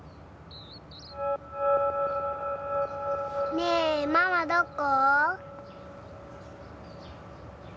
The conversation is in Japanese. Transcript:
ねえママどこ？